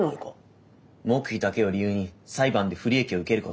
黙秘だけを理由に裁判で不利益を受けることはありません。